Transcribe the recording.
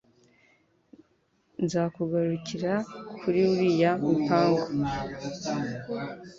Nzakugarukira kuri uriya mipangu